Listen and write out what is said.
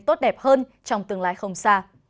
và tốt đẹp hơn trong tương lai không xa